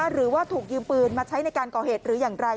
หรือว่าถูกยืมปืนมาใช้ในการก่อเหตุหรืออย่างไร